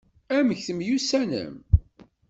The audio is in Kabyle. Amek temyussanem?